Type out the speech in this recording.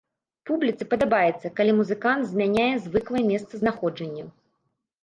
Публіцы падабаецца, калі музыкант змяняе звыклае месцазнаходжанне.